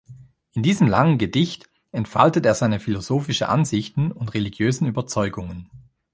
In diesem langen Gedicht entfaltet er seine philosophische Ansichten und religiösen Überzeugungen.